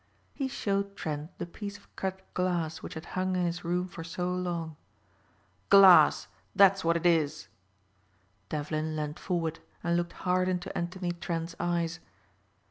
He showed Trent the piece of cut glass which had hung in his room for so long. "Glass, that's what it is." Devlin leaned forward and looked hard into Anthony Trent's eyes.